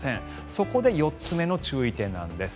そこで４つ目の注意点なんです。